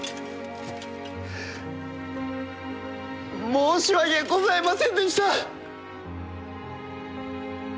申し訳ございませんでした！